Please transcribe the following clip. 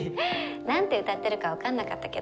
何て歌ってるか分かんなかったけど。